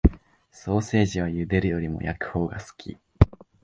ソーセージは茹でるより焼くほうが好き